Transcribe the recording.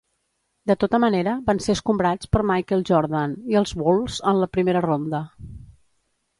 De tota manera van ser escombrats per Michael Jordan i els Bulls en la primera ronda.